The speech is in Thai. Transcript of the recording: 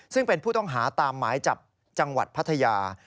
ซึ่งเป็นผู้ต้องหาตามหมายจับจังหวัดพัทยา